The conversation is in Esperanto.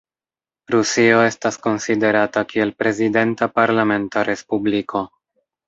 Rusio estas konsiderata kiel prezidenta-parlamenta respubliko.